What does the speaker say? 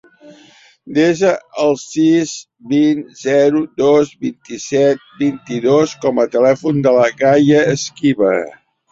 Desa el sis, vint, zero, dos, vint-i-set, vint-i-dos com a telèfon de la Gaia Esquiva.